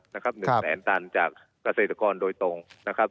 หนึ่งแสนตันจากเกษตรกรโดยตรงนะครับ